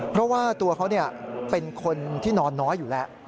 เพราะว่าตัวเขาเป็นคนที่นอนน้อยอยู่แล้ว